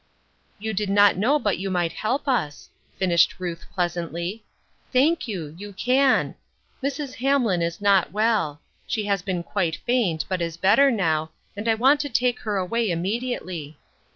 " You did not know but you might help us," finished Ruth pleasantly. "Thank you ; you can. Mrs. Hamlin is not well ; she has been quite faint, but is better now, and I want to take her away immediately.